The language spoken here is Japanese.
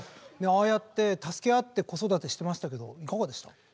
でもああやって助け合って子育てしてましたけどいかがでした？